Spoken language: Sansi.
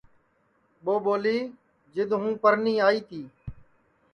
ٻو ٻولی جِدؔ ہوں پرنی آئی تی